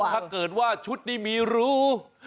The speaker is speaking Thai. ถ้าเกิดว่าชุดนี้มีรู